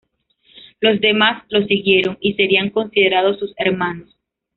Los demás lo siguieron, y serían considerados sus hermanos.